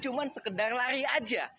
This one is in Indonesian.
cuma sekedar lari aja